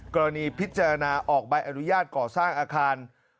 พิจารณาออกใบอนุญาตก่อสร้างอาคาร